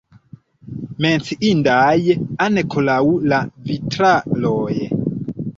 Menciindaj ankaŭ la vitraloj.